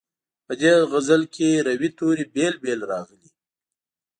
په دې غزل کې روي توري بېل بېل راغلي.